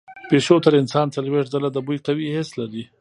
پیشو تر انسان څلوېښت ځله د بوی قوي حس لري.